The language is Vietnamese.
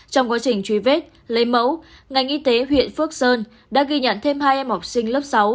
trong quá trình truy vết lấy mẫu ngành y tế huyện phước sơn đã ghi nhận thêm hai em học sinh lớp sáu